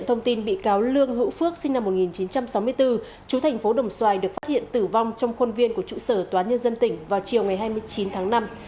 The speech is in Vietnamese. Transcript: thành phố đồng xoài được phát hiện tử vong trong khuôn viên của trụ sở toán nhân dân tỉnh vào chiều ngày hai mươi chín tháng năm